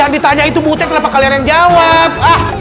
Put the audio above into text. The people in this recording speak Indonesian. yang ditanya itu mute kenapa kalian yang jawab